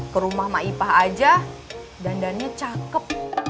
ke rumah ma ipah aja dandannya cakep